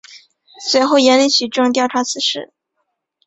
随后严厉取证调查此事。